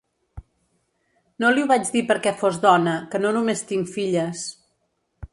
No li ho vaig dir perquè fos dona, que no només tinc filles.